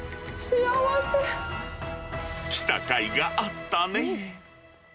来たかいがあったね。